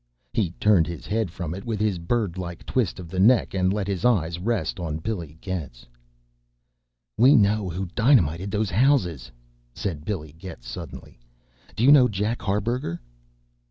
He turned his head from it with his bird like twist of the neck and let his eyes rest on Billy Getz. "We know who dynamited those houses!" said Billy Getz suddenly. "Do you know Jack Harburger?"